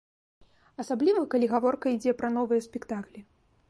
Асабліва, калі гаворка ідзе пра новыя спектаклі.